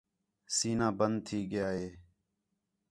سِینہ بند تھی ڳِیا ہِے